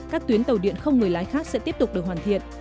các tuyến tàu điện không người lái khác sẽ tiếp tục được hoàn thiện